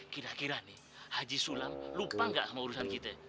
kira kira nih haji sulam lupa nggak sama urusan kita